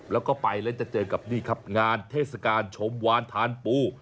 แล้วก็ไปแล้วจะเจอกับนี่ครับงานเทศกาลชมวานทานปู